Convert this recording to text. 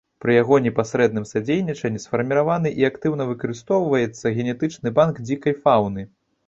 Пры яго непасрэдным садзейнічанні сфарміраваны і актыўна выкарыстоўваецца генетычны банк дзікай фаўны.